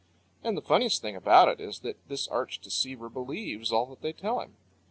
And the funniest thing about it is that this arch deceiver believes all that they tell him.